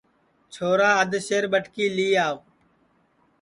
چھورا ادھ سیر ٻٹکی لی آوَ